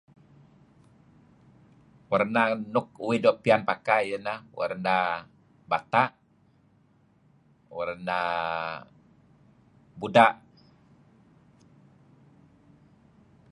Warna nuk uih doo' pian pakai ialah warna bata', warna buda'.